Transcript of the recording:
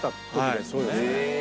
はいそうですね。